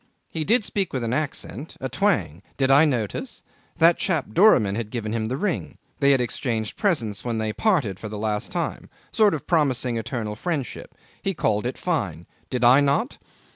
He did speak with an accent a twang did I notice? That chap Doramin had given him the ring. They had exchanged presents when they parted for the last time. Sort of promising eternal friendship. He called it fine did I not?